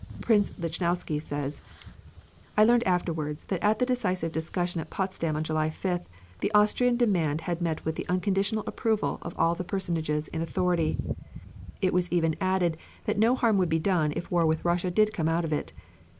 Prince Lichnowsky says: I learned afterwards that at the decisive discussion at Potsdam on July 5th the Austrian demand had met with the unconditional approval of all the personages in authority; it was even added that no harm would be done if war with Russia did come out of it.